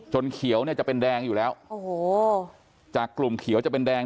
จนเขียวจะเป็นแดงอยู่แล้วจากกลุ่มเขียวจะเป็นแดง